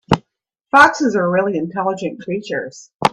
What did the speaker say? Foxes are really intelligent creatures.